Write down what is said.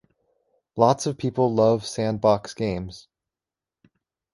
Lots of people love sandbox games.